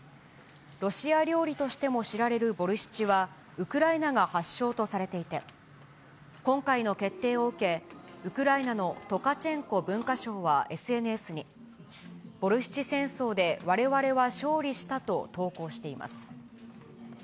ロシア料理としても知られるボルシチは、ウクライナが発祥とされていて、今回の決定を受け、ウクライナのトカチェンコ文化相はＳＮＳに、ボルシチ戦争でわれわれは勝利したと投稿しています。